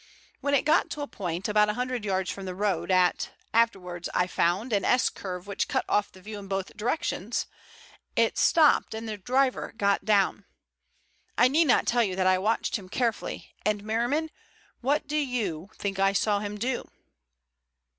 When it got to a point about a hundred yards from the road, at, I afterwards found, an S curve which cut off the view in both directions, it stopped and the driver got down. I need not tell you that I watched him carefully and, Merriman, what do you, think I saw him do?"